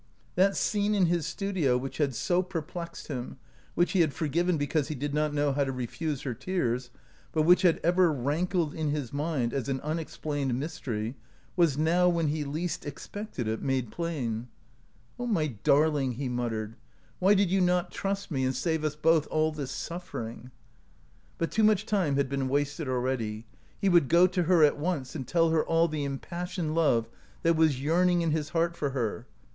That scene in his studio which had so per plexed him, which he had forgiven because he did not know how to refuse her tears, but which had ever rankled in his mind as an unexplained mystery, was now, when he least expected it, made plain. 214 OUT OF BOHEMIA "O my darling," he muttered, "why did you not trust me, and save us both all this suffering ?" But too much time had been wasted already. He would go to her at once and tell her all the impassioned love that was yearning in his heart for her.